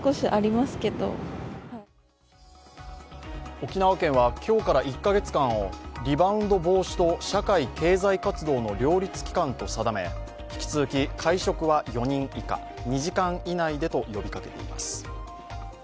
沖縄県は今日から１カ月間をリバウンド防止と社会経済活動の両立期間と定め、引き続き会食は４人以下、２時間以内でと呼びかけています。